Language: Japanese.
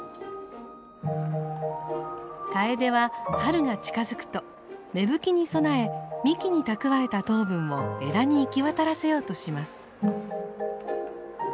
カエデは春が近づくと芽吹きに備え幹に蓄えた糖分を枝に行き渡らせようとします。